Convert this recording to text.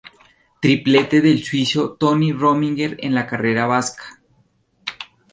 Triplete del suizo Toni Rominger en la carrera vasca.